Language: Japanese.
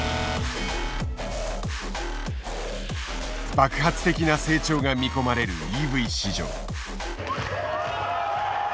爆発的な成長が見込まれるＥＶ市場。